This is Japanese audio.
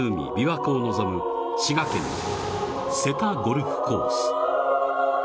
琵琶湖を望む滋賀県瀬田ゴルフコース。